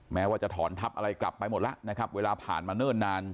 แม้ว่าจะถอนทัพอะไรกลับไปหมดแล้วนะครับเวลาผ่านมาเนิ่นนาน